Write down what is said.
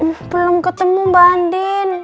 oh belum ketemu mba andin